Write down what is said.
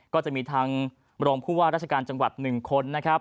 ก็จะมีทางรวมพูดว่าราชการจังหวัด๑คน